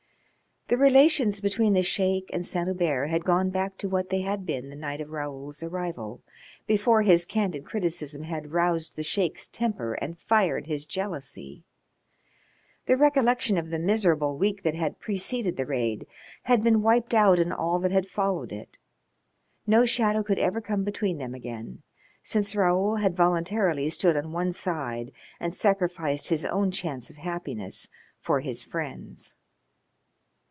The relations between the Sheik and Saint Hubert had gone back to what they had been the night of Raoul's arrival, before his candid criticism had roused the Sheik's temper and fired his jealousy. The recollection of the miserable week that had preceded the raid had been wiped out in all that had followed it. No shadow could ever come between them again since Raoul had voluntarily stood on one side and sacrificed his own chance of happiness for his friend's.